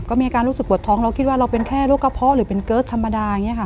ก็มีอาการรู้สึกปวดท้องเราคิดว่าเราเป็นแค่โรคกระเพาะหรือเป็นเกิร์ตธรรมดาอย่างนี้ค่ะ